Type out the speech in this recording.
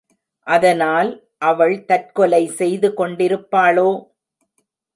அதனால் அவள் தற்கொலை செய்து கொண்டிருப்பாளோ?